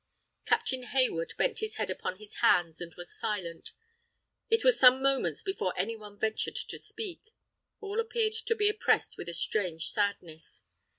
Captain Hayward bent his head upon his hands and was silent. It was some moments before any one ventured to speak. All appeared to be oppressed with a strange sadness.